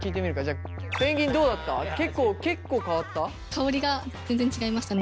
香りが全然違いましたね。